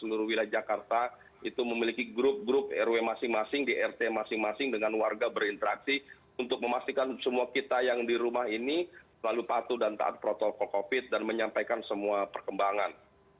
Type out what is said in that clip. seluruh wilayah jakarta itu memiliki grup grup rw masing masing di rt masing masing dengan warga berinteraksi untuk memastikan semua kita yang di rumah ini selalu patuh dan taat protokol covid dan menyampaikan semua perkembangan